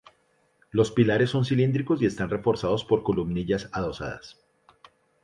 Los pilares son cilíndricos y están reforzados por columnillas adosadas.